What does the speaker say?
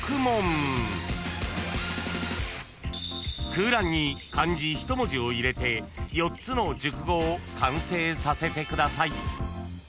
［空欄に漢字一文字を入れて４つの熟語を完成させてください］